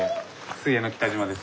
水泳の北島です。